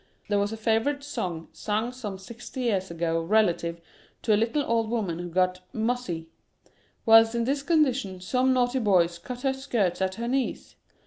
There was a favourite song sung some sixty years ago relative to a Httie old woman who got " muzzy." Whilst in this condition some naughty boys cut her skirts at her knees.